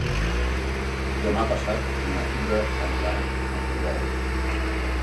Demà passat na Tura anirà a Portbou.